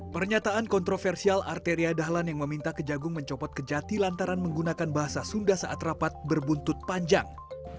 pernyataan kontroversial arteria dahlan yang meminta kejagung mencopot kejati lantaran menggunakan bahasa sunda saat rapat berbuntut panjang